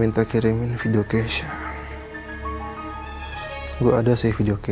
tante seorang ngechat gue semalam